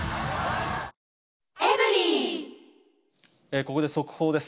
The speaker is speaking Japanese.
ここで速報です。